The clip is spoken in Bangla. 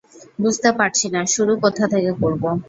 বুছতে পারছি না শুরু কোথা থেকে করব।